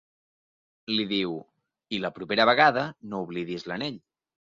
Li diu: I la propera vegada, no oblidis l'anell.